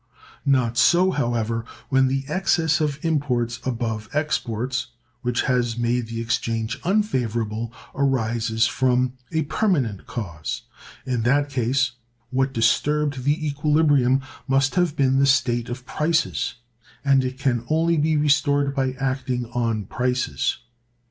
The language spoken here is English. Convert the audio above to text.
Not so, however, when the excess of imports above exports, which has made the exchange unfavorable, arises from a permanent cause. In that case, what disturbed the equilibrium must have been the state of prices, and it can only be restored by acting on prices.